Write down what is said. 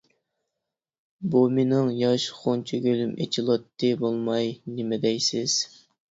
بۇ مېنىڭ ياش غۇنچە گۈلۈم ئېچىلاتتى بولماي نېمە دەيسىز!